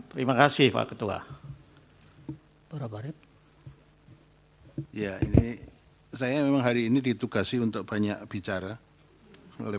terima kasih pak ketua para warib ya ini saya memang hari ini ditugasi untuk banyak bicara oleh